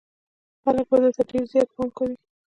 خلک به ده ته ډېر زيات پام کوي.